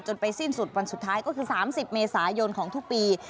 ไปสิ้นสุดวันสุดท้ายก็คือ๓๐เมษายนของทุกปี